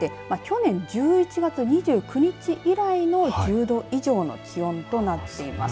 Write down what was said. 去年１１月２９日以来の１０度以上の気温となっています。